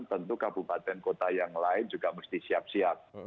tentu kabupaten kota yang lain juga mesti siap siap